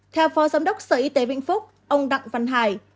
theo phó giám đốc sở y tế vĩnh phúc ông đặng văn hải